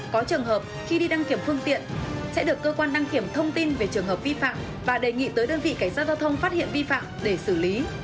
có trường hợp khi đi đăng kiểm phương tiện sẽ được cơ quan đăng kiểm thông tin về trường hợp vi phạm và đề nghị tới đơn vị cảnh sát giao thông phát hiện vi phạm để xử lý